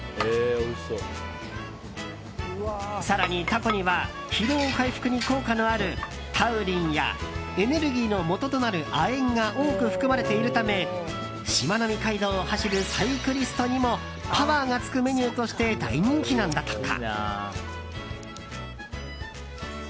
更にタコには疲労回復に効果のあるタウリンやエネルギーのもととなる亜鉛が多く含まれているためしまなみ海道を走るサイクリストにもパワーがつくメニューとして大人気なんだとか。